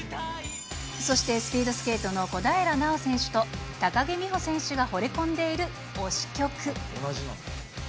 そしてスピードスケートの小平奈緒選手と高木美帆選手がほれ込んでいる推し曲。